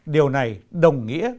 điều này đồng nghĩa